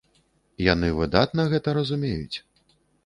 Яны выдатна гэта разумеюць.